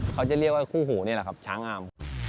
เขาจะเรียกว่าคู่หูนี่แหละครับช้างอาม